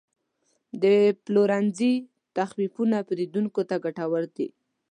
د پلورنځي تخفیفونه پیرودونکو ته ګټور دي.